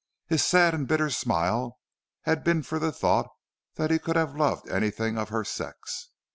His sad and bitter smile had been for the thought that he could have loved anything of her sex.